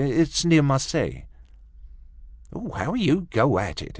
—It's near Marseilles." "How you go at it!"